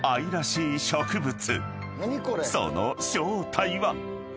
［その正体は］